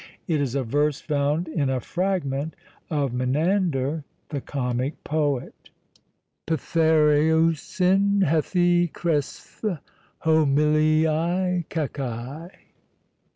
It is a verse found in a fragment of Menander the comic poet: [Greek: Phtheirousin hêthê chrêsth' homiliai kakai].